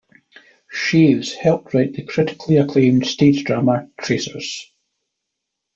Chaves helped write the critically acclaimed stage drama "Tracers".